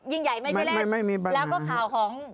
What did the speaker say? ยิ่งใหญ่ไม่ใช่แรกแล้วก็ข่าวของ